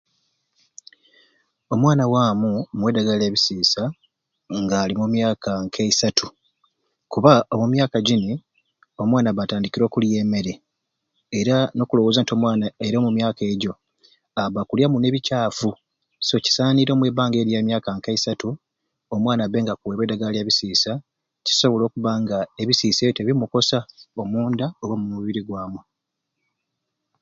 Omwana waamu muwe eddagala lya bisiisa nga ali mu myaka k'eisatu kuba omu myaka gini omwana abba atandikire okulya emmere era n'okulowooza nti omwana era omu myaka egyo abba akulya muno ebicaafu so kisaanire omwibbbanga eryo erya myaka nk'eisatu omwana abbe nga akuweebwa eddagala lya bisiisa kisobola okubba nga ebisiisa ebyo tibikumukosa omunda oba mu mubiri gwamwe.